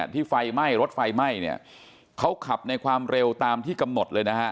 ที่ไฟไหม้รถไฟไหม้เขาขับในความเร็วตามที่กำหนดเลย